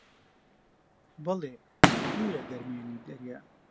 بەڵێ: دوورە گەرمێنی دەریا